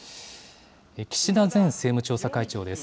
岸田前政務調査会長です。